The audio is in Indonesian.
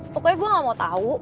pokoknya gue gak mau tahu